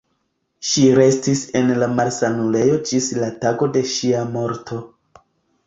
Ŝi restis en la malsanulejo ĝis la tago de ŝia morto.